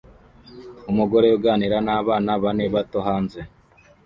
Umugore uganira nabana bane bato hanze